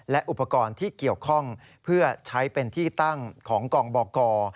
และอุปกรณ์ที่เกี่ยวข้องเพื่อใช้เป็นที่ตั้งของกองบก